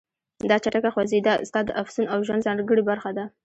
دا چټکه خوځېدا ستا د افسون او ژوند ځانګړې برخه ده.